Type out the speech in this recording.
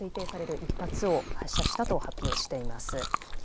１発を発射したと発表しています。